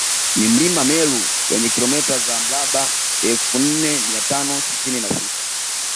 Ni mlima Meru wenye kilomita za mraba elfu nne mia tano sitini na sita